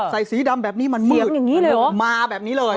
ใส่สีดำแบบนี้มันมืดมาแบบนี้เลย